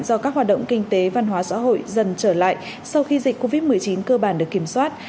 do các hoạt động kinh tế văn hóa xã hội dần trở lại sau khi dịch covid một mươi chín cơ bản được kiểm soát